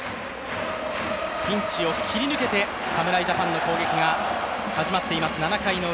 ピンチを切り抜けて侍ジャパンの攻撃が始まっています。